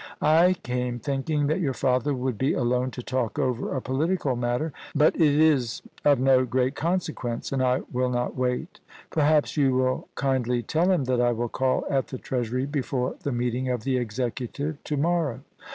I came thinking that your father would be alone to talk over a political matter, but it is of no great consequence, and I will not wait Per haps you will kindly tell him that I will call at the Treasury before the meeting of the Executive to morrow.'